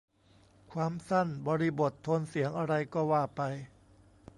ความสั้น บริบท โทนเสียง อะไรก็ว่าไป